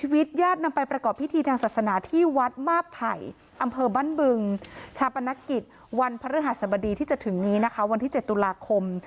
วันพระฤทธิษฐรรมดีที่จะถึงนี้นะคะวันที่๗ตุลาคม